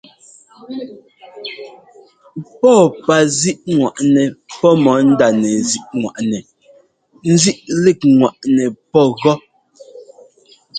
Pɔ́ɔpazíꞌŋwaꞌnɛ pɔ́ mɔ ndánɛzíꞌŋwaꞌnɛ nzíꞌlíkŋwaꞌnɛ pɔ́ gɔ́.